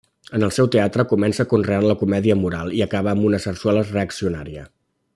En el seu teatre comença conreant la comèdia moral i acaba amb una sarsuela reaccionària.